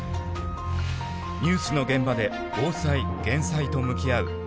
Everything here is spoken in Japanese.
ニュースの現場で防災減災と向き合う